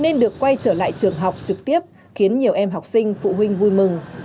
nên được quay trở lại trường học trực tiếp khiến nhiều em học sinh phụ huynh vui mừng